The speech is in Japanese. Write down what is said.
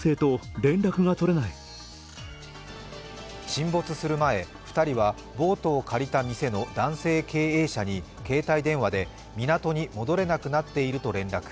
沈没する前、２人はボートを借りた店の男性経営者に携帯電話で港に戻れなくなっていると連絡。